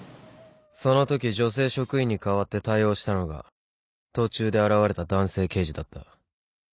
そのとき女性職員に代わって対応したのが途中で現れた男性刑事だった。